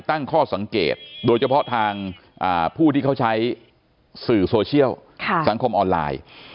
ตั้งข้อสังเกตโดยเฉพาะทางผู้ที่เขาใช้สื่อโซเชียลสังคมออนไลน์